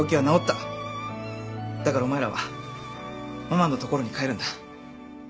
だからお前らはママのところに帰るんだ。